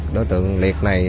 đối tượng liệt này